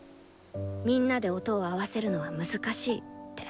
「みんなで音を合わせるのは難しい」って。